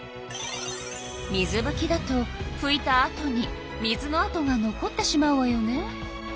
水ぶきだとふいたあとに水のあとが残ってしまうわよね。